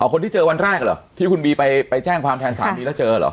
คนที่เจอวันแรกเหรอที่คุณบีไปแจ้งความแทนสามีแล้วเจอเหรอ